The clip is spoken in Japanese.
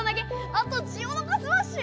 あとジオノコスマッシュ！